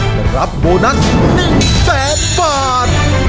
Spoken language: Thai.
และรับโบนัส๑๐๐บาท